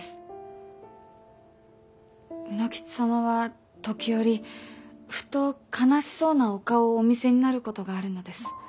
卯之吉様は時折ふと悲しそうなお顔をお見せになることがあるのです。